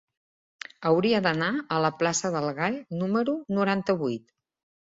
Hauria d'anar a la plaça del Gall número noranta-vuit.